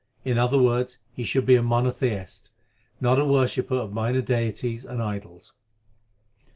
In other words he should be a mono theist, not a worshipper of minor deities and idols.